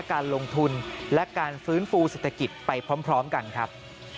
การลงทุนและการฟื้นฟูเศรษฐกิจไปพร้อมกันครับ